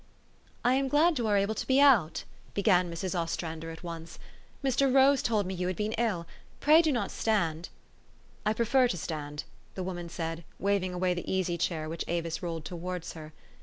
" I am glad you are able to be out," began Mrs. Ostrander at once. "Mr. Rose told me you had been ill. Pray do not stand." "I prefer to stand," the woman said, waving away the easy chair which Avis rolled towards her.